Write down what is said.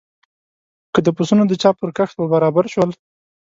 که د پسونو د چا پر کښت ور برابر شول.